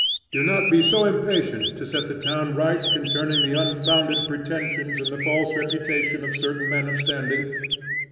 Do not be so impatient to set the town right concerning the unfounded pretensions and the false reputation of certain men of standing.